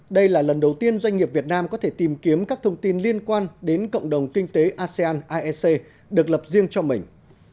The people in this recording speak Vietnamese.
đây là lần đầu tiên doanh nghiệp việt nam có thể tìm kiếm các thông tin liên quan đến cộng đồng kinh tế asean aec được lập riêng cho mình